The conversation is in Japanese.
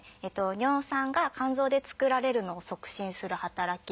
尿酸が肝臓で作られるのを促進する働き